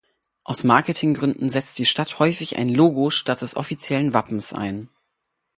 Aus Marketinggründen setzt die Stadt häufig ein Logo statt des offiziellen Wappens ein.